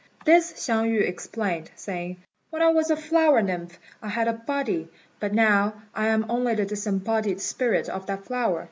This Hsiang yü explained, saying, "When I was a flower nymph I had a body; but now I am only the disembodied spirit of that flower.